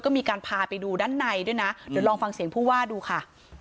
ก็มีการพาไปดูด้านในด้วยนะเดี๋ยวลองฟังเสียงผู้ว่าดูค่ะ